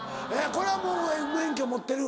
これはもう免許持ってる？